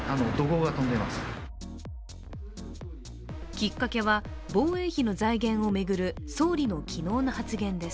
きっかけは防衛費の財源を巡る総理の昨日の発言です。